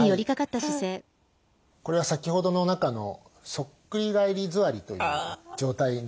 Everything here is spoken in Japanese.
これは先ほどの中のそっくり返り座りという状態になりますね。